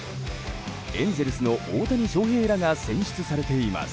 エンゼルスの大谷翔平らが選出されています。